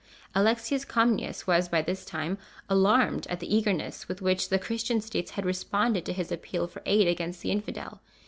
Alexius Comnenus was by this time alarmed at the eagerness with which the Christian states had responded to his appeal for aid against the infidel.